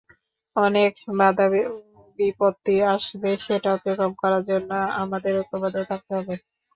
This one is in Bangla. অনেক বাধাবিপত্তি আসবে, সেটা অতিক্রম করার জন্য আমাদের ঐক্যবদ্ধ থাকতে হবে।